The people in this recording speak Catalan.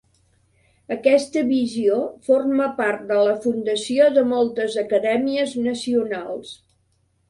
Aquesta visió forma part de la fundació de moltes acadèmies nacionals.